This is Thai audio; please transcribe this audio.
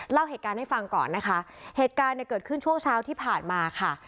เล่าเหตุการณ์ให้ฟังก่อนนะคะเหตุการณ์เนี่ยเกิดขึ้นช่วงเช้าที่ผ่านมาค่ะ